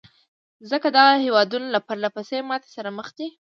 ځکه دغه هېوادونه له پرلهپسې ماتې سره مخ دي.